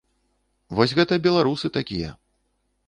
Вось гэта беларусы такія.